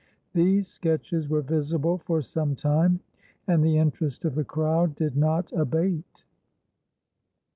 These sketches were visible for some time, and the interest of the crowd did not abate.